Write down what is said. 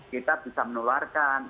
kita bisa menularkan